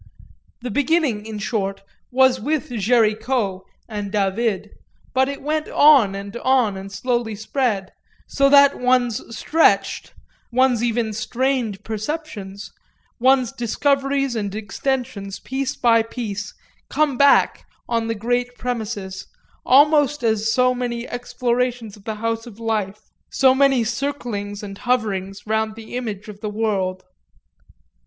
The beginning in short was with Géricault and David, but it went on and on and slowly spread; so that one's stretched, one's even strained, perceptions, one's discoveries and extensions piece by piece, come back, on the great premises, almost as so many explorations of the house of life, so many circlings and hoverings round the image of the world.